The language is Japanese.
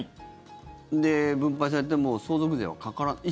で、分配されても相続税はかからない。